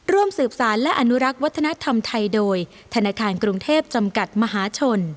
ร่วมสืบสารและอนุรักษ์วัฒนธรรมไทยโดยธนาคารกรุงเทพจำกัดมหาชน